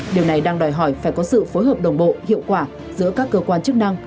điều này đang đòi hỏi phải có sự phối hợp đồng bộ hiệu quả giữa các cơ quan chức năng